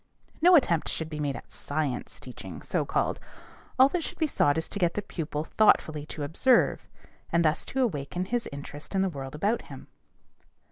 No attempt should be made at "science" teaching, so called. All that should be sought is to get the pupil thoughtfully to observe, and thus to awaken his interest in the world about him.